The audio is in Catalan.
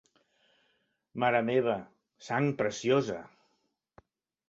Mare meva, Sang Preciosa!